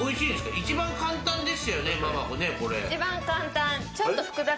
一番簡単でしたよね。